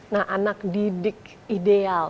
nah anak didik ideal